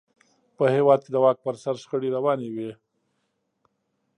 په هېواد کې د واک پر سر شخړې روانې وې.